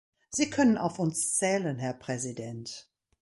Sie können auf uns zählen, Herr Präsident.